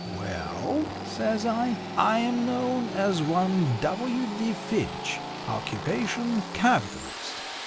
"'Well,' says I, 'I am known as one W. D. Finch. Occupation, capitalist.